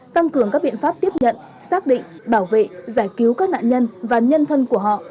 tăng cường các biện pháp tiếp nhận xác định bảo vệ giải cứu các nạn nhân và nhân thân của họ